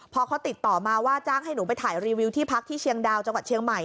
พอเขาติดต่อมาว่าจ้างให้หนูไปถ่ายรีวิวที่พักที่เชียงดาวจังหวัดเชียงใหม่